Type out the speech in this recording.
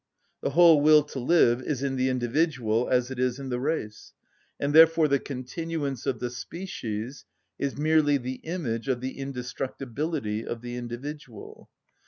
The whole will to live is in the individual, as it is in the race, and therefore the continuance of the species is merely the image of the indestructibility of the individual.